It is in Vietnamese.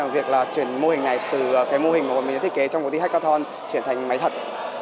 và việc là chuyển mô hình này từ cái mô hình mà mình đã thiết kế trong cuộc thi hackathon chuyển thành máy thật